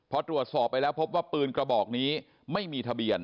พอตรวจสอบไปแล้วพบว่าปืนกระบอกนี้ไม่มีทะเบียน